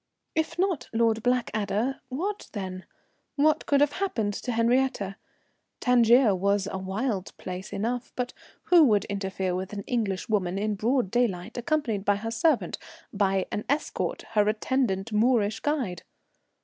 If not Lord Blackadder, what then? What could have happened to Henriette? Tangier was a wild place enough, but who would interfere with an English woman in broad daylight accompanied by her servant, by an escort, her attendant Moorish guide?